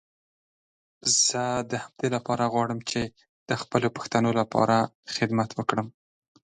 A strain of melancholy runs through all his lyrics.